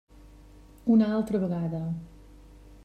Una altra vegada.